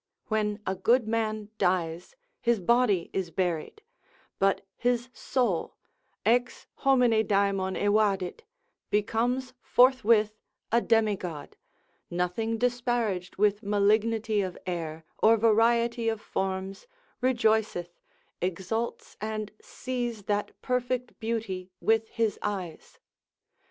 When a good man dies, his body is buried, but his soul, ex homine daemon evadit, becomes forthwith a demigod, nothing disparaged with malignity of air, or variety of forms, rejoiceth, exults and sees that perfect beauty with his eyes.